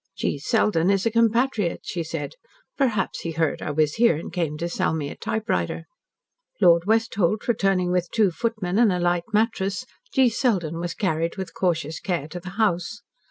"G. Selden is a compatriot," she said. "Perhaps he heard I was here and came to sell me a typewriter." Lord Westholt returning with two footmen and a light mattress, G. Selden was carried with cautious care to the house.